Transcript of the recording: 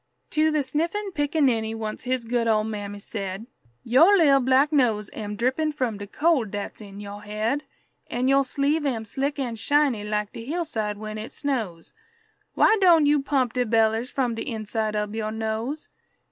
To the sniffing pickaninny once his good old mammy said, "Yo' lil' black nose am drippin' from de cold dat's in yo' head, An' yo' sleeve am slick and shiny like de hillside when it snows. Why doan' you pump de bellers from de inside ob yo' nose?"